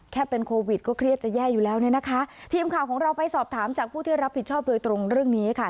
เป็นโควิดก็เครียดจะแย่อยู่แล้วเนี่ยนะคะทีมข่าวของเราไปสอบถามจากผู้ที่รับผิดชอบโดยตรงเรื่องนี้ค่ะ